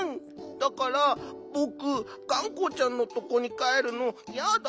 だからぼくがんこちゃんのとこにかえるのやだ。